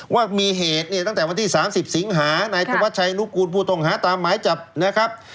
ว่ามีเหตุเนี่ยตั้งแต่วันที่๓๐สิงหานายธวัชชัยนุกูลผู้ต้องหาตามหมายจับนะครับ